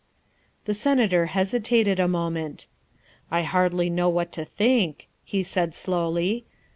The Senator hesitated a moment. " I hardly know what to think," he said slowly.